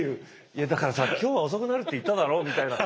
「いやだからさ今日は遅くなるって言っただろ」みたいな。